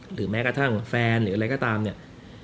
หรือแม้กระทั่งแฟนหรืออะไรก็ตามเนี่ย